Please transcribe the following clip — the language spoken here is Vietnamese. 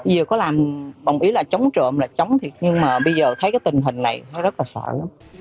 vừa có làm bằng ý là chống trộm là chống thiệt nhưng mà bây giờ thấy cái tình hình này rất là sợ lắm